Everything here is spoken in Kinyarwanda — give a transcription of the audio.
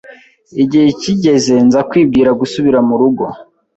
igihe kigeze nza kwibwira gusubira mu rugo